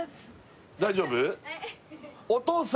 大丈夫？